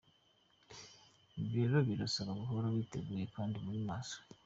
Ibi rero birabasaba guhora mwiteguye kandi muri maso.